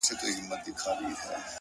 نور به شاعره زه ته چوپ ووسو;